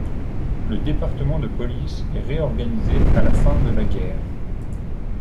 Le département de police est réorganisé à la fin de la guerre.